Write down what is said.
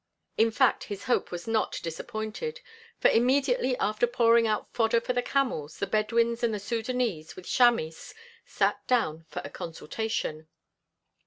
In fact, his hope was not disappointed, for immediately after pouring out fodder for the camels, the Bedouins and the Sudânese with Chamis sat down for a consultation.